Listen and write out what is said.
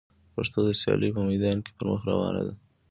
پښتو د سیالۍ په میدان کي پر مخ روانه ده.